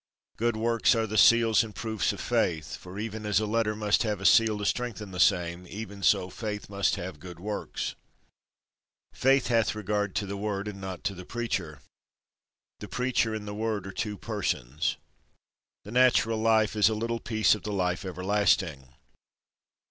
Good works are the seals and proofs of faith; for, even as a letter must have a seal to strengthen the same, even so faith must have good works. Faith hath regard to the Word, and not to the Preacher. The Preacher and the Word are two Persons. This natural life is a little piece of the life everlasting.